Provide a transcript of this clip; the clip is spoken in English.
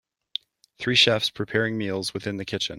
Three chefs preparing meals within the kitchen.